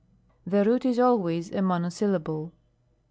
The root is always a monosyllable.